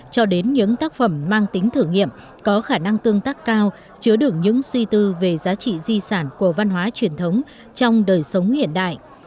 và phương tác cao chứa đường những suy tư về giá trị di sản của văn hóa truyền thống trong đời sống hiện đại